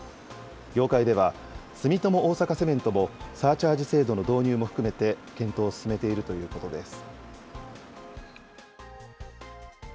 業界では住友大阪セメントも、サーチャージ制度の導入も含めて、検討を進めているということです。